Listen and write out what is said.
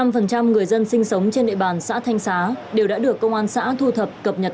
một trăm linh người dân sinh sống trên địa bàn xã thanh xá đều đã được công an xã thu thập cập nhật